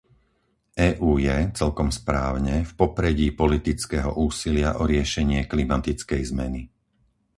EÚ je, celkom správne, v popredí politického úsilia o riešenie klimatickej zmeny.